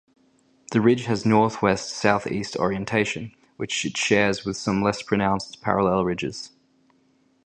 The ridge has northwest-southeast orientation, which it shares with some less pronounced parallel ridges.